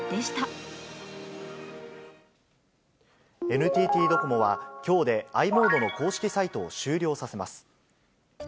ＮＴＴドコモは、きょうでｉモードの公式サイトを終了させます。